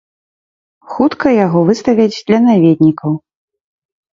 Хутка яго выставяць для наведнікаў.